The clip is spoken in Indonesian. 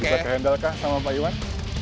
bisa kehandalkan sama payuan